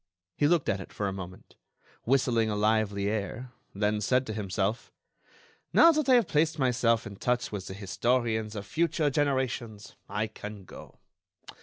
He looked at it for a moment, whistling a lively air, then said to himself: "Now that I have placed myself in touch with the historians of future generations, I can go.